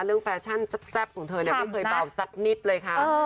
เรื่องแฟชั่นแซ่บของเธอไม่เคยเปล่าสักนิดเลยค่ะ